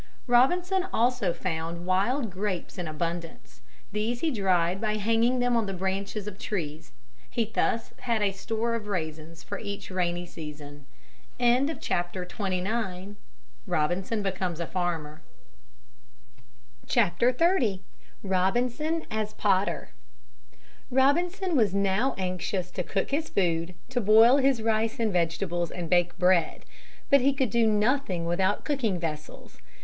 Robinson also found wild grapes in abundance. These he dried by hanging them on the branches of trees. He thus had a store of raisins for each rainy season. XXX ROBINSON AS POTTER Robinson was now anxious to cook his food, to boil his rice and vegetables and bake bread, but he could do nothing without cooking vessels.